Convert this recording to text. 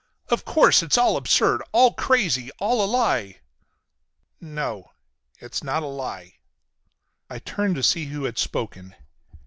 Of course it's all absurd. All crazy. All a lie." "No. It's not a lie." I turned to see who had spoken.